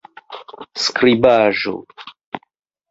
skribaĵo